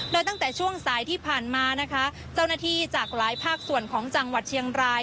โดยตั้งแต่ช่วงสายที่ผ่านมานะคะเจ้าหน้าที่จากหลายภาคส่วนของจังหวัดเชียงราย